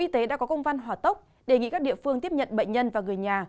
y tế đã có công văn hỏa tốc đề nghị các địa phương tiếp nhận bệnh nhân và người nhà